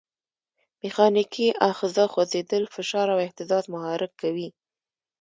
میخانیکي آخذه خوځېدل، فشار او اهتزاز محرک کوي.